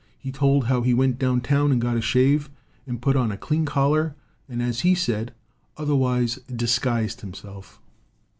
He told how he went down town and got a shave and put on a clean collar and as he said, 'otherwise disguised himself.'